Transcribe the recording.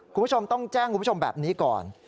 คุณผู้ชมต้องแจ้งคุณผู้ชมแบบนี้ก่อน